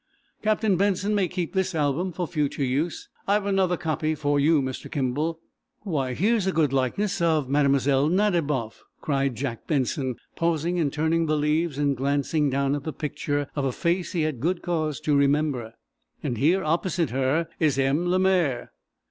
"Captain Benson may keep this album for future use. I've another copy for you, Mr. Kimball." "Why, here's a good likeness of Mlle. Nadiboff," cried Jack Benson, pausing in turning the leaves and glancing down at the picture of a face he had good cause to remember. "And here, opposite her, is M. Lemaire!"